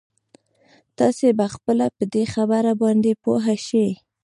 تاسې به خپله په دې خبره باندې پوه شئ.